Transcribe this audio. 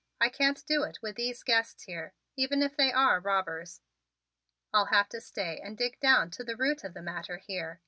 I can't do it with these guests here, even if they are robbers. I'll have to stay and dig down to the root of the matter here.